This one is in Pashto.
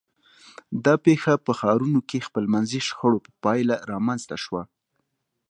دا پېښه په ښارونو کې خپلمنځي شخړو په پایله رامنځته شوه.